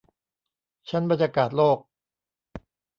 ชั้นบรรยากาศโลก